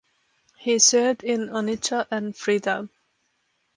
He served in Onitsha and Freetown.